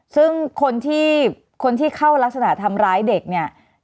ซึ่งคนที่คนที่เข้ารักษณะทำร้ายเด็กเนี่ย